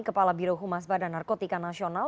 kepala birohumas badan narkotika nasional